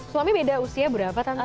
suami beda usia berapa